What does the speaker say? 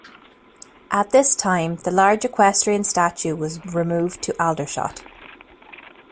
At this time, the large equestrian statue was removed to Aldershot.